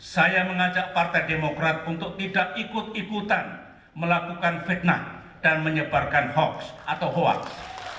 saya mengajak partai demokrat untuk tidak ikut ikutan melakukan fitnah dan menyebarkan hoaks